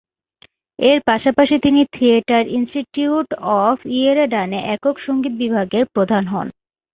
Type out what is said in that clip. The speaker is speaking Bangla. এর পাশাপাশি তিনি থিয়েটার ইনস্টিটিউট অফ ইয়েরেভানে একক সংগীত বিভাগের প্রধান হন।